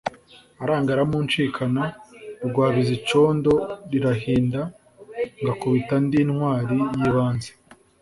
aranga aramunshikana; Rwabiza icondo lirahinda, ngakubita ndi intwali y'ibanze.